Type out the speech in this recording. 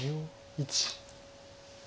１。